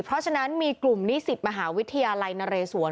เพราะฉะนั้นมีกลุ่มนิสิตมหาวิทยาลัยนเรศวร